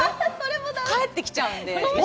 帰ってきちゃうんで、一緒に。